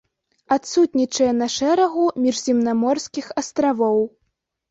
Адсутнічае на шэрагу міжземнаморскіх астравоў.